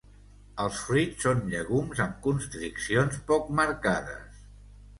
Els fruits són llegums amb constriccions poc marcades.